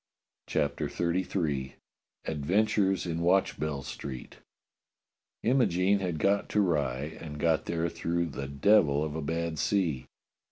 CHAPTER XXXIII ADVENTURES IN WATCHBELL STREET IMOGENE had got to Rye, and got there through the devil of a bad sea.